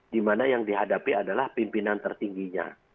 di mana yang dihadapi adalah pimpinan tertingginya